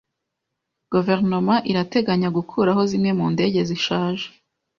Guverinoma irateganya gukuraho zimwe mu ndege zishaje.